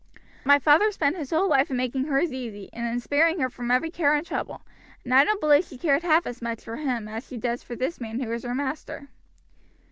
My father spent his whole life in making hers easy, and in sparing her from every care and trouble, and I don't believe she cared half as much for him as she does for this man who is her master."